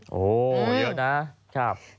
โอ้โหเยอะนะครับ